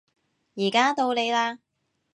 而家到你嘞